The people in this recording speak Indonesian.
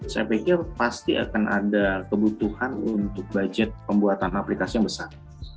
saya pikir pasti akan ada kebutuhan untuk budget pembuatan aplikasi yang besar